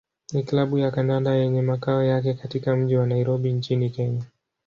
ni klabu ya kandanda yenye makao yake katika mji wa Nairobi nchini Kenya.